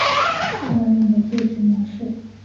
默认的对局模式。